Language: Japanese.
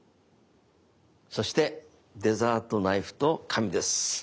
そしてデザートナイフと紙です。